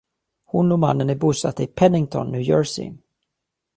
Hon och mannen är bosatta i Pennington, New Jersey.